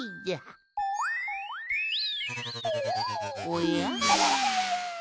おや？